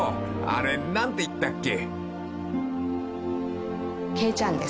あれ何ていったっけ？］